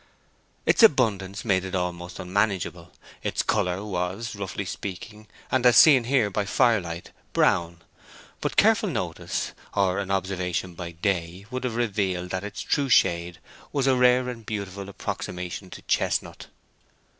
Its abundance made it almost unmanageable; its color was, roughly speaking, and as seen here by firelight, brown, but careful notice, or an observation by day, would have revealed that its true shade was a rare and beautiful approximation to chestnut.